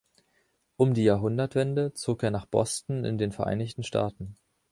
Um die Jahrhundertwende zog er nach Boston in den Vereinigten Staaten.